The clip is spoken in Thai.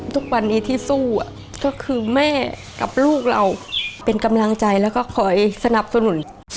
ทุกวันนี้ที่สู้ก็คือแม่กับลูกเราเป็นกำลังใจแล้วก็คอยสนับสนุน